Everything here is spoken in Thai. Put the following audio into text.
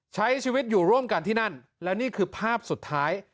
ใช้ชีวิตอยู่ร่วมกันที่นั่นและนี่คือภาพสุดท้าย